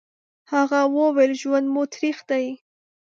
هغه وويل: ژوند مو تريخ دی.